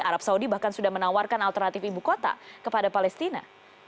arab saudi bahkan sudah menawarkan alternatif ibu kota kepada palestina